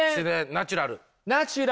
ナチュラルな。